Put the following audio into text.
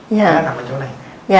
nó nằm ở chỗ này